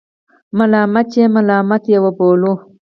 ملامت یې ملامت وبللو.